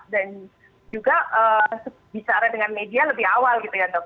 dan juga bicara dengan media lebih awal